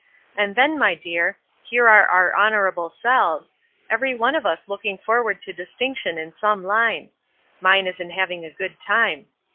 And then, my dear, here are our honorable selves, every one of us looking forward to distinction in some Une; mine is in having a good time.